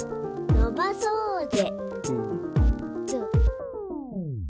「のばそーぜ」